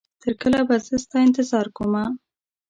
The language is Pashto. تر کله به زه ستا انتظار کومه